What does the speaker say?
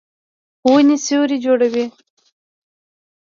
ونې سیوری جوړوي